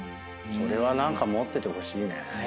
それは何か持っててほしいね。